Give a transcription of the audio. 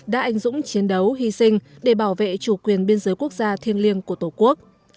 đã anh dũng chiến đấu hy sinh để bảo vệ chủ quyền biên giới quốc gia thiêng liêng của tổ quốc